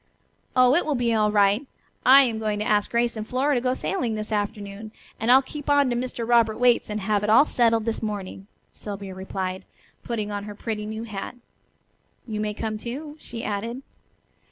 "Oh, it will be all right. I am going to ask Grace and Flora to go sailing this afternoon, and I'll keep on to Mr. Robert Waite's and have it all settled this morning," Sylvia replied, putting on her pretty new hat. "You may come, too," she added.